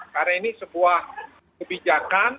karena ini sebuah kebijakan